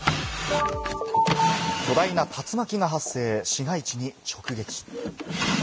巨大な竜巻が発生、市街地に直撃。